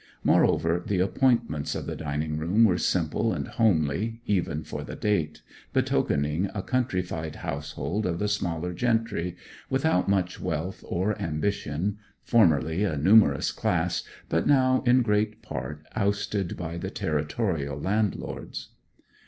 Moreover, the appointments of the dining room were simple and homely even for the date, betokening a countrified household of the smaller gentry, without much wealth or ambition formerly a numerous class, but now in great part ousted by the territorial landlords.